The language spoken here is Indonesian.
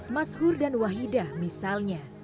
mas hur dan wahidah misalnya